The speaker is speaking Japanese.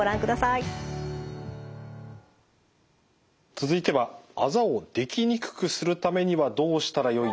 続いてはあざをできにくくするためにはどうしたらよいのか？